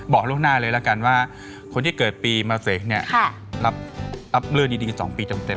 บอกลูกหน้าเลยละกันว่าคนที่เกิดปีเมาเสนเนี่ยรับเลื่อนดี๒ปีจำเป็น